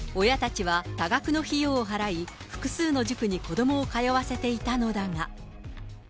親たちは多額の費用を払い、複数の塾に子どもを通わせていたのだが。